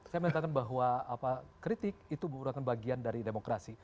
saya menyatakan bahwa kritik itu merupakan bagian dari demokrasi